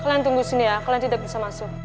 kalian tunggu sini ya kalian tidak bisa masuk